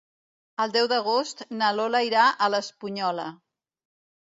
El deu d'agost na Lola irà a l'Espunyola.